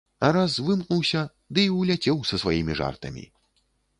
А раз вымкнуўся ды і ўляцеў са сваімі жартамі.